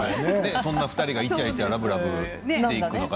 そんな２人がイチャイチャラブラブしていくのかな？